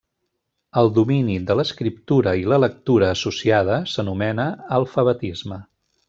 El domini de l'escriptura i la lectura associada s'anomena alfabetisme.